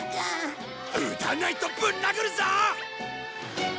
打たないとぶん殴るぞ！